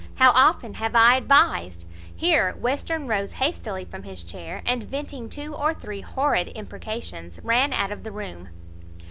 How often have I advised " Here Western rose hastily from his chair, and, venting two or three horrid imprecations, ran out of the room.